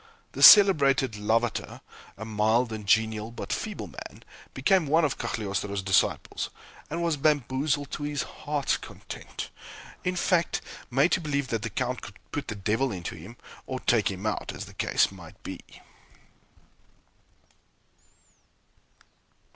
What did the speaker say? The celebrated Lavater, a mild and genial, but feeble man, became one of Cagliostro's disciples, and was bamboozled to his heart's content in fact, made to believe that the Count could put the devil into him, or take him out, as the case might be.